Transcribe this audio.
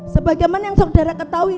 sebagaimana yang saudara ketahui